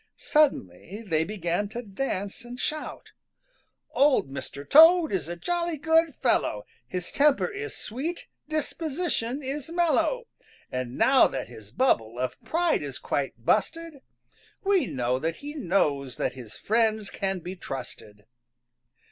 Suddenly they began to dance and shout: "Old Mr. Toad is a jolly good fellow! His temper is sweet, disposition is mellow! And now that his bubble of pride is quite busted We know that he knows that his friends can be trusted."